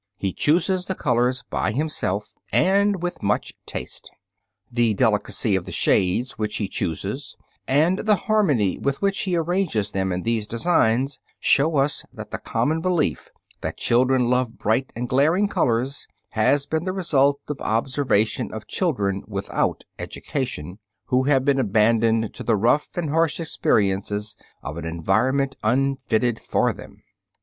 He chooses the colors by himself and with much taste. The delicacy of the shades which he chooses and the harmony with which he arranges them in these designs show us that the common belief, that children love bright and glaring colors, has been the result of observation of children without education, who have been abandoned to the rough and harsh experiences of an environment unfitted for them.